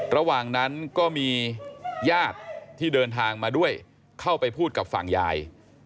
ระหว่างนั้นก็มีญาติที่เดินทางมาด้วยเข้าไปพูดกับฝั่งยาย